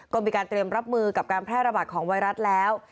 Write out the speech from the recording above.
ก็มีการเตรียมรับมือกับการแพร่ระบาดของไวรัสแล้ว